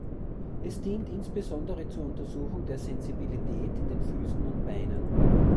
Es dient insbesondere zur Untersuchung der Sensibilität in den Füßen und Beinen.